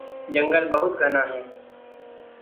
जंगल बहुत घना है।